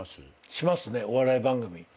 しますねお笑い番組。